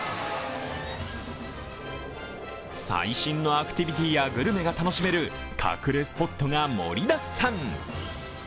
最新のアクティビティーやグルメが楽しめる隠れスポットが盛りだくさん。